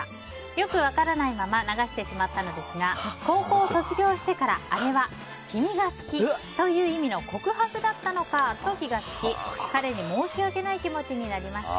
よく分からないまま流してしまったのですが高校を卒業してから、あれは君が好きという意味の告白だったのかと気が付き、彼に申し訳ない気持ちになりました。